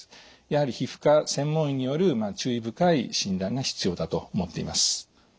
やはり皮膚科専門医による注意深い診断が必要だと思っています。